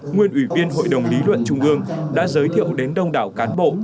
nguyên ủy viên hội đồng lý luận trung ương đã giới thiệu đến đông đảo cán bộ